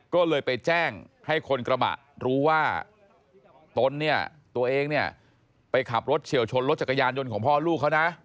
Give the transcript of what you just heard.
ก็เลยไปแจ้งให้คนกระบะรู้ว่าตนเนี่ยตัวเองเนี่ยไปขับรถเฉียวชนรถจักรยานยนต์ของพ่อลูกเขานะ